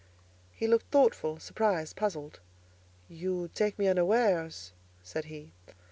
He looked thoughtful, surprised, puzzled. "You take me unawares," said he.